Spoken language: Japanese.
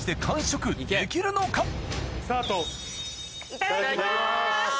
いただきます！